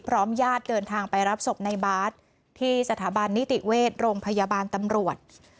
ญาติเดินทางไปรับศพในบาสที่สถาบันนิติเวชโรงพยาบาลตำรวจ